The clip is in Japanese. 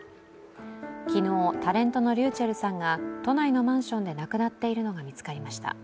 昨日、タレントのｒｙｕｃｈｅｌｌさんが都内のマンションで亡くなっているのが見つかりました。